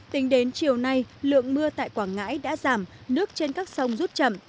tính đến chiều nay lượng mưa tại quảng ngãi đã giảm nước trên các sông rút chậm